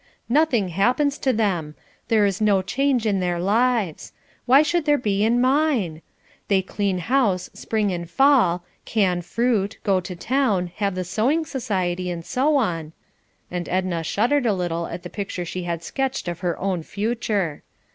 Nothing happens to them. There is no change in their lives. Why should there be in mine? They clean house spring and fall, can fruit, go to town, have the sewing society, and so on" and Edna shuddered a little at the picture she had sketched of her own future.